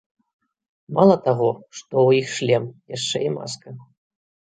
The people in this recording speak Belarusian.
Мала таго, што ў іх шлем, яшчэ і маска.